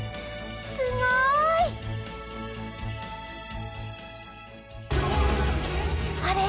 すごい！あれ？